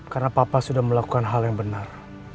karena papa sudah melakukan hal yang benar